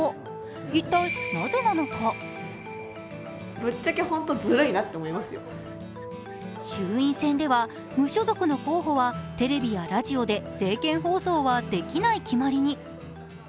一体、なぜなのか衆院選では無所属の候補はテレビやラジオで政見放送はできない決まりに。